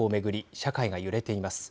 社会が揺れています。